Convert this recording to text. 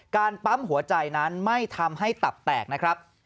ปั๊มหัวใจนั้นไม่ทำให้ตับแตกนะครับ